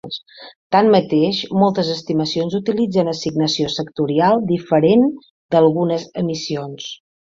Tanmateix, moltes estimacions utilitzen assignació sectorial diferent d'algunes emissions.